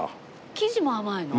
生地も甘いの？